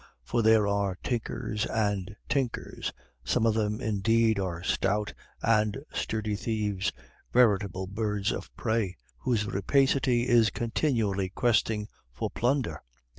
For there are tinkers and tinkers. Some of them, indeed, are stout and sturdy thieves, veritable birds of prey, whose rapacity is continually questing for plunder.